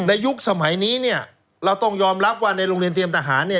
ยุคสมัยนี้เนี่ยเราต้องยอมรับว่าในโรงเรียนเตรียมทหารเนี่ย